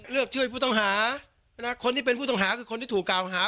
เลือกช่วยผู้ต้องหาคนที่เป็นผู้ต้องหาคือคนที่ถูกกล่าวหา